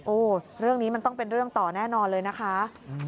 เรื่องนี้มันต้องเป็นเรื่องต่อแน่นอนเลยนะคะ